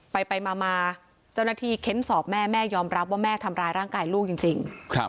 ไปมาเจ้าหน้าที่เค้นสอบแม่แม่ยอมรับว่าแม่ทำร้ายร่างกายลูกจริง